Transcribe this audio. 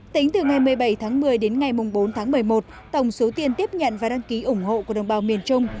tính từ ngày một mươi bảy tháng một mươi đến ngày bốn tháng một mươi một tổng số tiền tiếp nhận và đăng ký ủng hộ của đồng bào miền trung